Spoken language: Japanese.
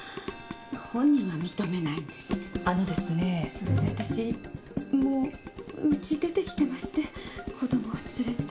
それでわたしもうウチ出てきてまして子供を連れて。